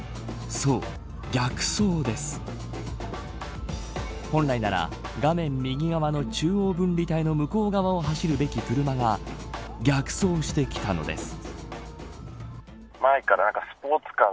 そう、逆走です本来なら、画面右側の中央分離帯の向こう側を走るべき車が逆走してきたのです。